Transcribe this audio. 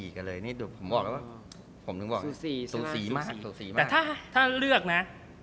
แต่ถ้าเลือกนะ